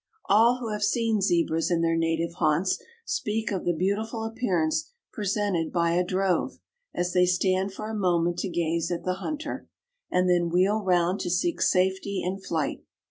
"All who have seen Zebras in their native haunts, speak of the beautiful appearance presented by a drove, as they stand for a moment to gaze at the hunter, and then wheel round to seek safety in flight.